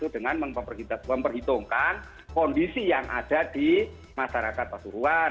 dengan memperhitungkan kondisi yang ada di masyarakat pasuruan